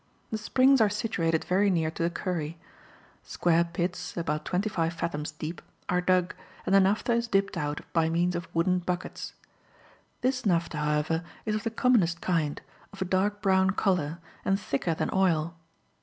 The springs are situated very near to the Kurry. Square pits, about twenty five fathoms deep, are dug, and the naphtha is dipped out by means of wooden buckets. This naphtha, however, is of the commonest kind, of a dark brown colour, and thicker than oil.